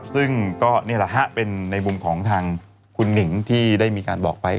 ซึ่งก็นี่แหละฮะเป็นในมุมของทางคุณหนิงที่ได้มีการบอกไป